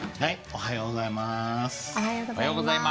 おはようございます。